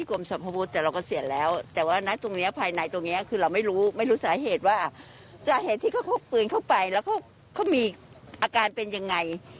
คือเราไม่รู้สาเหตุว่าสาเหตุที่เขาพกปืนเข้าไปแล้วเขามีอาการเป็นยังไง